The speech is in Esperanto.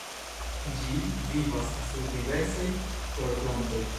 Ĝi vivas sur diversaj florplantoj.